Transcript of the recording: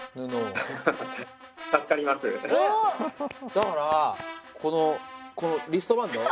だからこのリストバンド